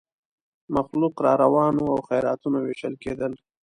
مخلوق را روان وو او خیراتونه وېشل کېدل.